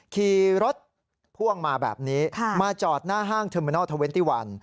ขี่รถพ่วงมาแบบนี้มาจอดหน้าห้างเทอร์เมนอร์๒๑